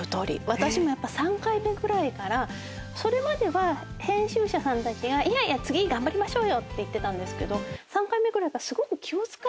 私も３回目ぐらいからそれまでは編集者さんたちがいやいや次頑張りましょうよって言ってたんですけど。